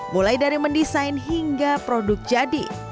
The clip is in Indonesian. mulai dari mendesain hingga produk jadi